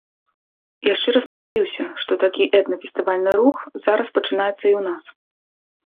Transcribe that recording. Я шчыра спадзяюся, што такі этна-фестывальны рух зараз пачынаецца і ў нас.